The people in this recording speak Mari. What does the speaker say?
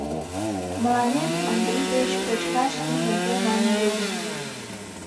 Маланем Андри деч «кочкаш киндым пу» манын йодын.